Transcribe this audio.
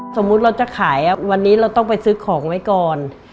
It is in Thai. สมมุติเราจะขายวันนี้เราต้องไปซื้อของไว้ก่อน